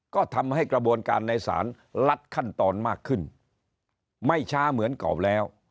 ก็ทำให้กระบวนการในศาลลัดขั้นตอนมากขึ้นไม่ช้าเหมือนกรอบแล้ว